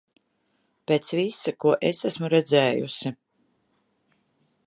Pēc visa, ko es esmu redzējusi...